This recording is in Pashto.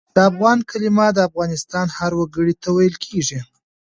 د افغان کلمه د افغانستان هر وګړي ته ویل کېږي.